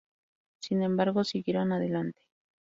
Sin embargo siguieron adelante.